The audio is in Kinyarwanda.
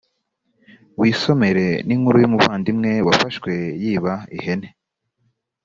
wisomere n’ inkuru y umuvandimwe wafashwe yiba ihene